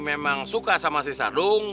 memang suka sama si sadung